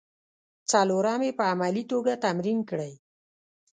څلورم یې په عملي توګه تمرین کړئ.